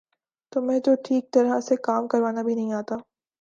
تمہیں تو ٹھیک طرح سے کام کروانا بھی نہیں آتا